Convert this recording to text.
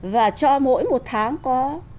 và cho mỗi một tháng có